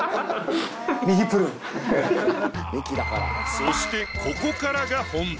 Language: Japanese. そしてここからが本題。